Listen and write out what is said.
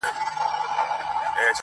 سړي خلګو ته ویله لاس مو خلاص دئ.